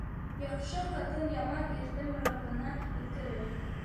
Яҡшы ҡатын яман ирҙе морагына еткерер.